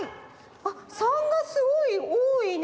あっ③がすごいおおいね。